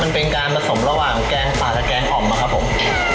มันเป็นการผสมระหว่างแกงป่าและแกงอ่อมนะครับผม